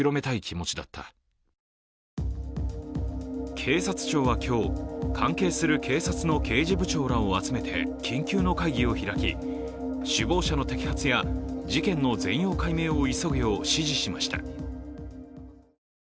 警察庁は今日、関係する警察の刑事部長らを集めて首謀者の摘発や、事件の全容解明を急ぐよう指示しました。